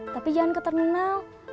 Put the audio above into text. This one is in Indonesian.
tapi jangan ke terminal